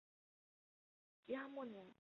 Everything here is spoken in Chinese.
西汉末年右扶风平陵人。